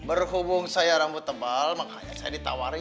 berhubung saya rambut tebal makanya saya ditawari